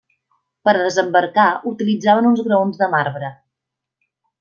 Per a desembarcar utilitzaven uns graons de marbre.